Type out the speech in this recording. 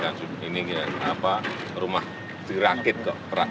tapi data terakhir kemarin itu ada delapan rumah rusak berat